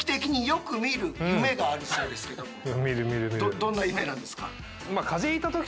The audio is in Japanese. どんな夢なんですか？